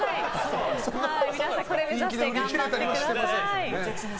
皆さん、これを目指して頑張ってください。